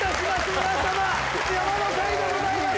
皆様「山の会」でございます